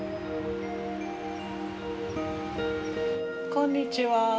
こんにちは。